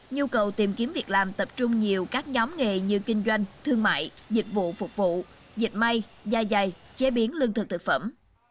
nhu cầu tìm kiếm việc làm tập trung nhiều các nhóm nghề như kinh doanh thương mại dịch vụ phục vụ dịch may da dày chế biến lương thực thực phẩm